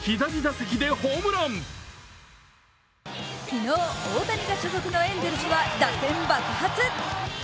昨日、大谷が所属のエンゼルスは打線が爆発。